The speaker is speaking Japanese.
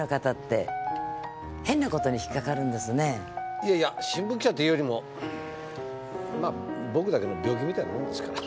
いやいや新聞記者っていうよりもまぁ僕だけの病気みたいなもんですから。